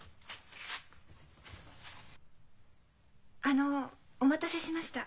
あのお待たせしました。